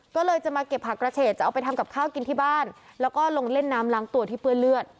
ก็เลยจะมาเก็บผักกระเฉดจะเอาไปทำกับข้าวกินที่บ้านแล้วก็ลงเล่นน้ำล้างตัวที่เปื้อนเลือด